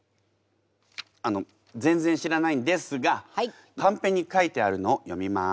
あの全然知らないんですがカンペに書いてあるのを読みます。